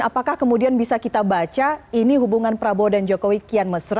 apakah kemudian bisa kita baca ini hubungan prabowo dan jokowi kian mesra